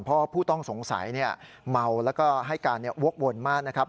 เพราะผู้ต้องสงสัยเมาแล้วก็ให้การวกวนมากนะครับ